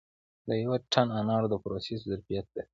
د یو ټن انارو د پروسس ظرفیت لري